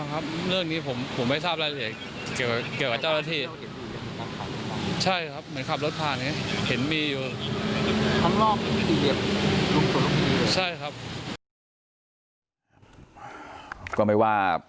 ก็หมายว่า